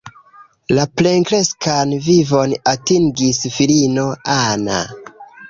La plenkreskan vivon atingis filino Anna.